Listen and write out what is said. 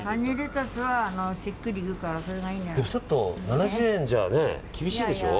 ちょっと７０円じゃ厳しいでしょう？